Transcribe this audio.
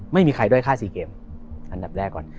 ไม่มีใครด้อยค่า๔เกมอันดับแรกก่อน